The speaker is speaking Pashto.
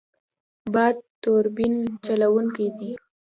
باد توربین چلوونکی دی.